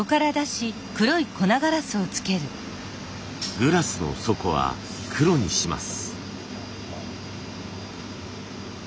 グラスの底は黒にします。